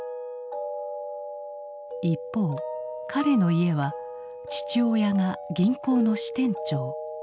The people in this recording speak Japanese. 一方彼の家は父親が銀行の支店長。